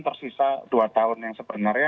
tersisa dua tahun yang sebenarnya